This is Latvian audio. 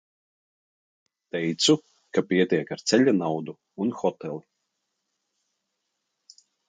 Teicu, ka pietiek ar ceļa naudu un hoteli.